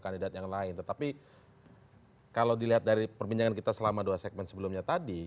ketika kita mencari dua segmen sebelumnya tadi